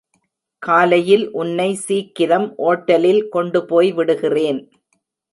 காலையில் உன்னை சீக்கிரம் ஓட்டலில் கொண்டுபோய் விடுகிறேன்.